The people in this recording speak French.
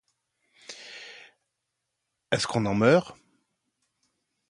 Est-ce qu'on en meurt?